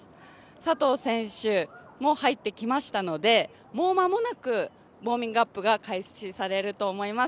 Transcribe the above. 佐藤選手も入ってきましたので、もうまもなくウォーミングアップが開始されると思います。